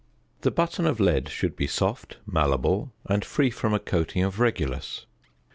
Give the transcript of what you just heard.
The button of lead should be soft, malleable, and free from a coating of regulus.